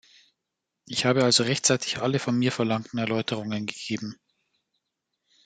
Ich habe also rechtzeitig alle von mir verlangten Erläuterungen gegeben.